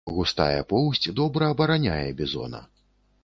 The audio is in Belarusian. Густая поўсць добра абараняе бізона.